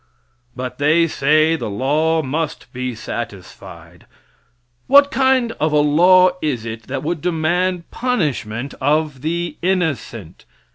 But they say the law must be satisfied. What kind of a law is it that would demand punishment of the innocent?